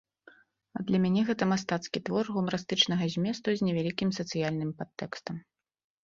А для мяне гэта мастацкі твор гумарыстычнага зместу з невялікім сацыяльным падтэкстам.